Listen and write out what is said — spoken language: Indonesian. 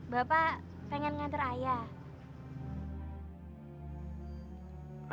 bapak pengen ngantar ayah